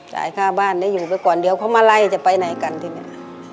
จ่ายค่าบ้านได้อยู่ไปก่อนเดี๋ยวเขามาไล่จะไปไหนกันที่นี่